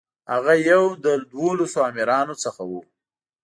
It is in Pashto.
هغه یو له دولسو امیرانو څخه و.